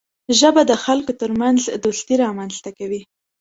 ژبه د خلکو ترمنځ دوستي رامنځته کوي